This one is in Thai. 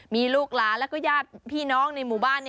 มีลูกหลานแล้วก็ญาติพี่น้องในหมู่บ้าน